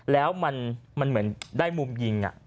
แล้วมันเหมือนได้มุมยิง